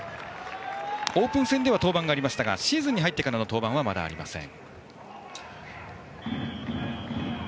オープン戦では登板ありましたがシーズンに入ってからの登板はまだありません。